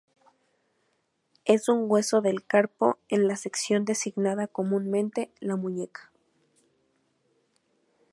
Es un hueso del carpo, en la sección designada comúnmente la muñeca.